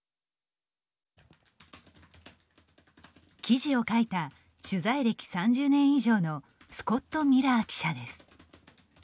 記事を書いた取材歴３０年以上のスコット・ミラー記者です。